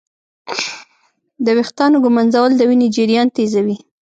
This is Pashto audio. د ویښتانو ږمنځول د وینې جریان تېزوي.